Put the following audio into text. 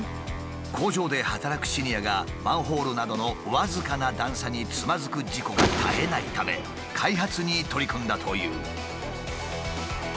工場で働くシニアがマンホールなどの僅かな段差につまずく事故が絶えないため開発に取り組んだという。